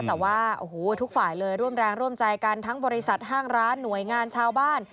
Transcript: แต่ว่าโอ้โหทุกฝ่ายเลยร่วมแรงร่วมใจกันทั้งบริษัทห้างร้านหน่วยงานชาวบ้าน